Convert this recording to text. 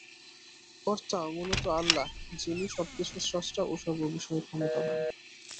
কর্তা মূলত আল্লাহ যিনি সবকিছুর স্রষ্টা ও সর্ববিষয়ে ক্ষমতাবান।